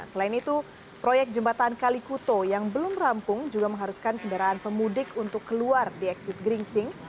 selain itu proyek jembatan kalikuto yang belum rampung juga mengharuskan kendaraan pemudik untuk keluar di eksit gringsing